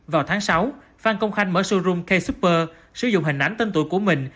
vào tháng sáu phan công khanh mở showroom k super sử dụng hình ảnh tên tuổi của mình